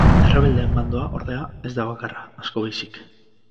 Errebeldeen bandoa, ordea, ez da bakarra, asko baizik.